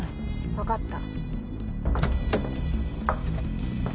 分かった。